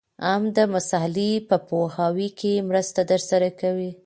هم د مسألې په پوهاوي کي مرسته درسره کوي.